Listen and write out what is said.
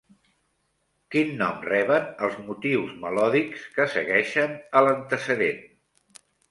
Quin nom reben els motius melòdics que segueixen a l'antecedent?